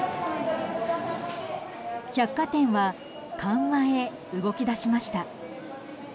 百貨店は緩和へ動き出しました。